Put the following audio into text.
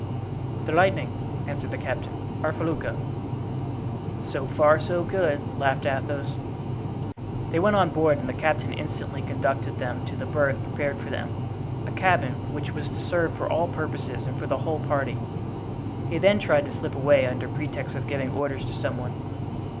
"The Lightning," answered the captain, "our felucca." "So far, so good," laughed Athos. They went on board and the captain instantly conducted them to the berth prepared for them—a cabin which was to serve for all purposes and for the whole party; he then tried to slip away under pretext of giving orders to some one.